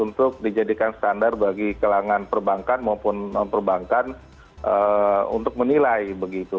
untuk dijadikan standar bagi kelangan perbankan maupun non perbankan untuk menilai begitu